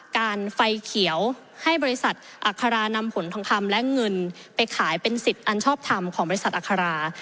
การไฟเขียวให้บริษัทอัครานำผลทองคำและเงินไปขายเป็นสิทธิ์อันชอบทำของบริษัทอัครา